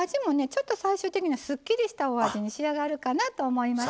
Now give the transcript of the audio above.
ちょっと最終的にはすっきりしたお味に仕上がるかなと思います。